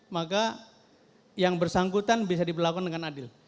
maka yang bersangkutan bisa diberlakukan dengan adil